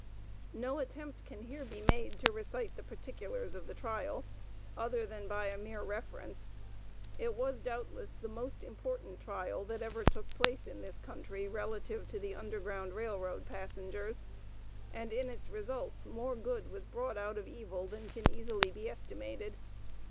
No attempt can here be made to recite the particulars of the trial other than by a mere reference. It was, doubtless, the most important trial that ever took place in this country relative to the Underground Rail Road passengers, and in its results more good was brought out of evil than can easily be estimated.